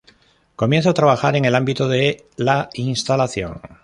Comienza a trabajar en el ámbito de la instalación.